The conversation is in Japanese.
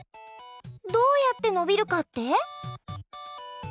どうやって伸びるかって？